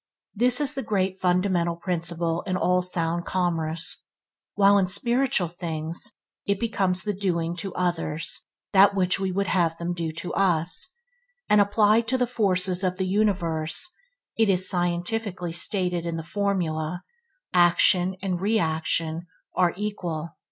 This is the great fundamental principle in all sound commerce, while in spiritual things it becomes the doing to others that which we would have them do to us, and applied to the forces of the universe, it is scientifically stated in the formula, "Action and Reaction are equal."